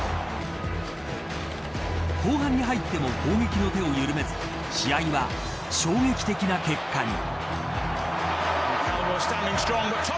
後半に入っても攻撃の手を緩めず試合は衝撃的な結果に。